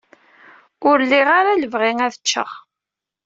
Ur liɣ ara lebɣi ad ččeɣ.